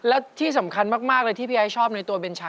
และที่สำคัญมากเลยที่พี่ไอ้ชอบในตัวเบนชา